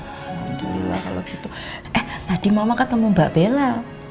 alhamdulillah kalau gitu tadi mama ketemu mbak bella